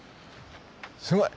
すごい！